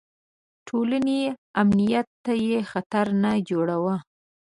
د ټولنې امنیت ته یې خطر نه جوړاوه.